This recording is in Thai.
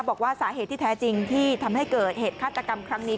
บอกว่าสาเหตุที่แท้จริงที่ทำให้เกิดเหตุฆาตกรรมครั้งนี้